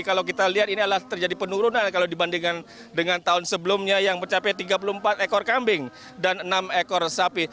kalau kita lihat ini adalah terjadi penurunan kalau dibandingkan dengan tahun sebelumnya yang mencapai tiga puluh empat ekor kambing dan enam ekor sapi